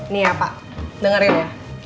nih ya pak dengerin ya